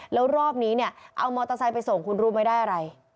แล้วรอบนี้เนี่ยเอามอเตอร์ไซค์ไปส่งคุณรู้ไหมได้อะไร